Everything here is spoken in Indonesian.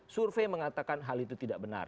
survei mengatakan hal itu tidak benar